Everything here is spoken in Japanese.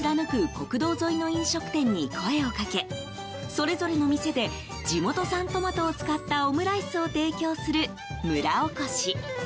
国道沿いの飲食店に声をかけそれぞれの店で地元産トマトを使ったオムライスを提供する村おこし。